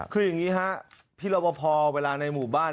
คืออย่างนี้ฮะพี่รบพอเวลาในหมู่บ้าน